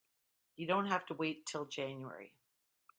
You don't have to wait till January.